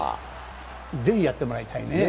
ぜひやってもらいたいね。